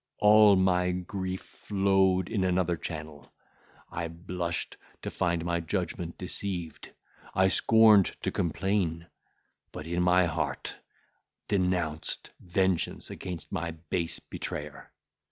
All my grief flowed in another channel; I blushed to find my judgment deceived; I scorned to complain; but, in my heart, denounced vengeance against my base betrayer.